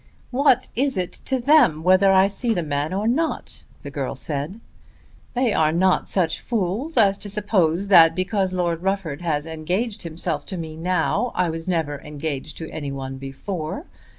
"What is it to them whether I see the man or not?" the girl said. "They are not such fools as to suppose that because Lord Rufford has engaged himself to me now I was never engaged to any one before.